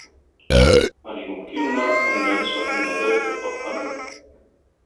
هل يمكننا أن ننسى أن ذلك قد حدث؟